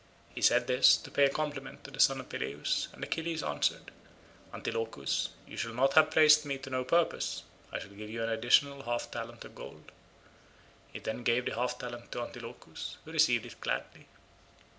He said this to pay a compliment to the son of Peleus, and Achilles answered, "Antilochus, you shall not have praised me to no purpose; I shall give you an additional half talent of gold." He then gave the half talent to Antilochus, who received it gladly.